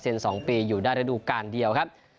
เซ็น๒ปีอยู่ในระดูกการเดียวครับ